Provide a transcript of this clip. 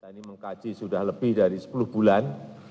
ini mengkaji sudah lebih dari sepuluh bulan